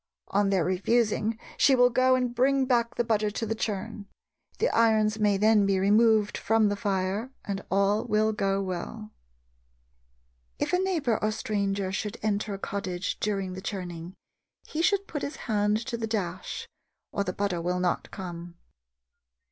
On their refusing, she will go and bring back the butter to the churn. The irons may then be removed from the fire and all will go well." If a neighbor or stranger should enter a cottage during the churning, he should put his hand to the dash, or the butter will not come.